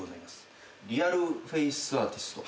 リアルフェイスアーティスト？